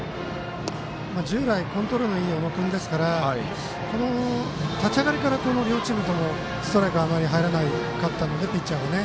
従来、コントロールのいい小野君ですから立ち上がりから両チームともストライクがあまり入らなかったのでピッチャーがね。